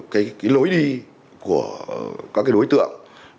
cái lối đi của các đối tượng